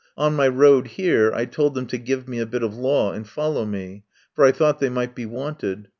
On my road here I told them to give me a bit of law and follow me, for I thought they might be wanted.